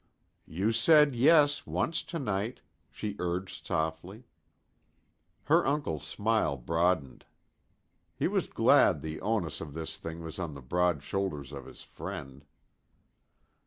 "You said 'yes' once to night," she urged softly. Her uncle's smile broadened. He was glad the onus of this thing was on the broad shoulders of his friend.